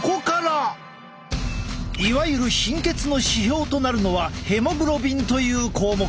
いわゆる貧血の指標となるのはヘモグロビンという項目。